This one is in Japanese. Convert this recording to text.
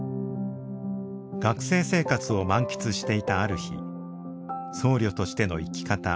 学生生活を満喫していたある日僧侶としての生き方